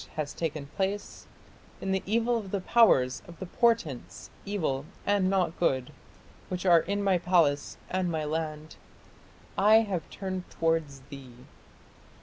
has taken place, In the evil of the powers, of the portents, evil and not good, which are in my palace and my land, (I) have turned towards thee!...